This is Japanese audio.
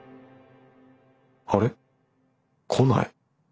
あれ？来ない。